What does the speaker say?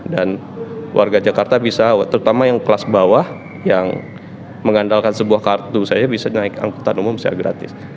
dan warga jakarta bisa terutama yang kelas bawah yang mengandalkan sebuah kartu saja bisa naik angkutan umum secara gratis